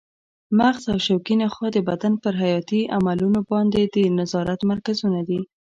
مغز او شوکي نخاع د بدن پر حیاتي عملونو باندې د نظارت مرکزونه دي.